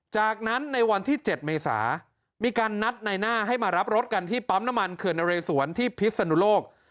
จากนั้นในวันที่๗เมษามีการนัดในหน้าให้มารับรถกันที่ปั๊มน้ำมันเขื่อนนะเรสวนที่พิศนุโลก